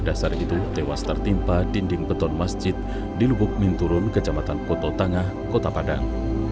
dasar itu tewas tertimpa dinding beton masjid di lubuk minturun kecamatan koto tangah kota padang